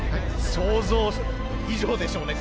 想像以上でしょうねこれは。